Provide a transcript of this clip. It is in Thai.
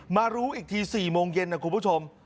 มารู้อีกที๔โมงเย็นนะคุณผู้ชม